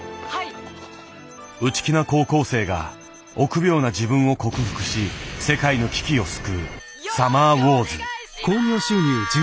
内気な高校生が臆病な自分を克服し世界の危機を救う「サマーウォーズ」。